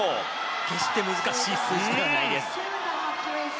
決して難しい数字ではないです。